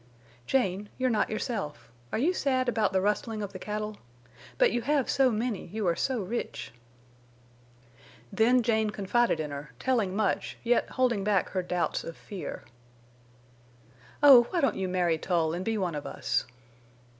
"Jane, you're not yourself. Are you sad about the rustling of the cattle? But you have so many, you are so rich." Then Jane confided in her, telling much, yet holding back her doubts of fear. "Oh, why don't you marry Tull and be one of us?"